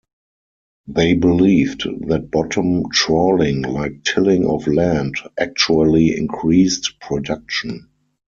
They believed that bottom trawling, like tilling of land, actually increased production.